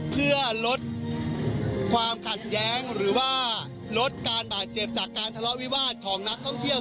เพื่อลดความขัดแย้งหรือว่าลดการบาดเจ็บจากการทะเลาะวิวาสของนักท่องเที่ยว